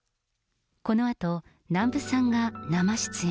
このあと、南部さんが生出演。